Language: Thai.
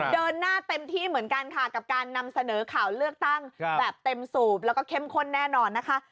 เดินหน้าเต็มที่เหมือนกันค่ะกับการนำเสนอข่าวเลือกตั้งแบบเต็มสูบแล้วก็เข้มข้นแน่นอนนะคะ